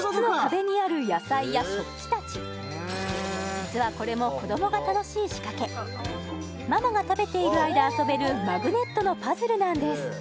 実はこれも子どもが楽しい仕掛けママが食べている間遊べるマグネットのパズルなんです